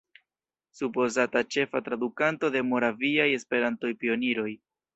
Supozata ĉefa tradukanto de Moraviaj Esperanto-Pioniroj.